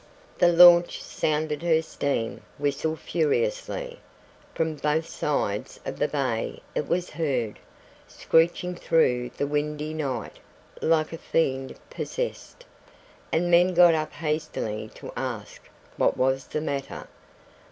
The launch sounded her steam whistle furiously. From both sides of the bay it was heard, screeching through the windy night like a fiend possessed, and men got up hastily to ask what was the matter.